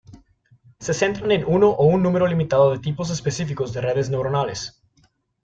Se centran en uno o un número limitado de tipos específicos de redes neuronales.